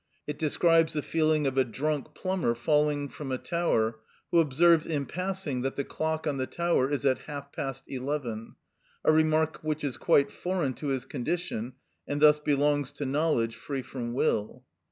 It describes the feeling of a drunk plumber falling from a tower, who observes in passing that the clock on the tower is at half past eleven, a remark which is quite foreign to his condition, and thus belongs to knowledge free from will.